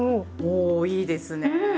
おいいですねぇ。